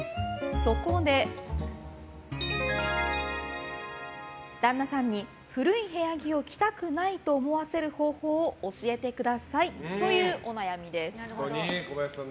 そこで、旦那さんに古い古着を着たくないと思わせる方法を教えてくださいというお悩みです。